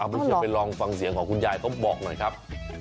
ไปลองฟังเสียงของคุณยายเข้าบอกหน่อยครับ